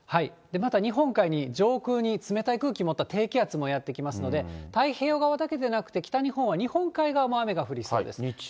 また、日本海に上空に冷たい空気持った低気圧もやって来ますので、太平洋側だけではなくて、北日本は日本海側も雨が降りそうです。